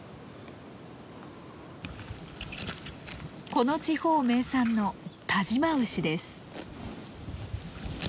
この地方名産の但馬牛です。